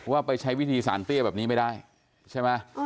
ว่าไปใช้วิธีสารเตี้ยแบบนี้ไม่ได้ใช่ไหม